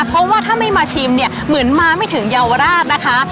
เพราะว่าถ้าไม่มาชิมเนี่ยเหมือนมาไม่ถึงเยาวราชนะคะ